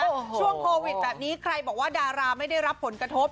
ช่วงโควิดแบบนี้ใครบอกว่าดาราไม่ได้รับผลกระทบ